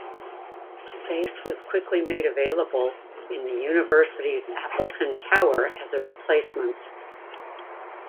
Space was quickly made available in the University's Appleton Tower as a replacement.